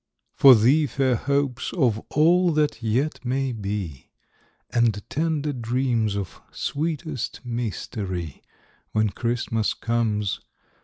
For thee, fair hopes of all that yet may be, And tender dreams of sweetest mystery, When Christmas comes.